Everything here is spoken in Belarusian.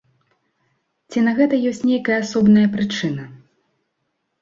Ці на гэта ёсць нейкая асобная прычына?